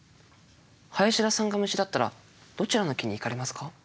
林田さんが虫だったらどちらの木に行かれますか？